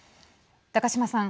高島さん。